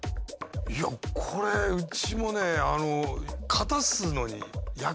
いやこれうちもねはい。